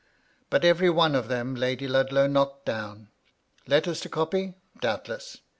But every one of them Lady Ludlow knocked down. Letters to copy? Doubtless.